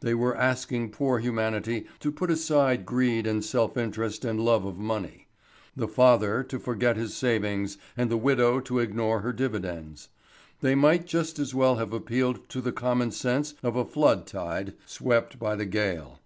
They were asking poor humanity to put aside greed and self interest and love of money, the father to forget his savings, and the widow to ignore her dividends. They might just as well have appealed to the common sense of a flood tide swept by the gale.